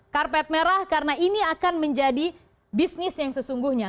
karpet merah karena ini akan menjadi bisnis yang sesungguhnya